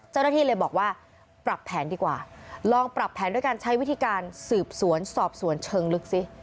เจ้าหน้าที่เลยบอกว่าปรับแผนดีกว่าลองปรับแผนด้วยการใช้วิธีการสืบสวนสอบสวนเชิงลึกสิ